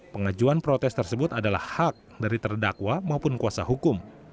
pengajuan protes tersebut adalah hak dari terdakwa maupun kuasa hukum